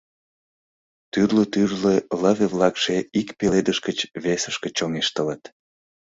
Тӱрлӧ-тӱрлӧ лыве-влакше ик пеледыш гыч весышке чоҥештылыт.